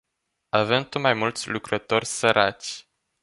Avem tot mai mulți lucrători săraci.